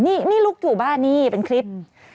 นี่ลุกอยู่บ้านนี่เป็นคลิป